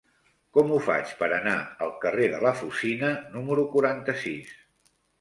Com ho faig per anar al carrer de la Fusina número quaranta-sis?